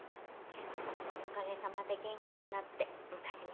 夫もおかげさまで元気になって昔みたいに。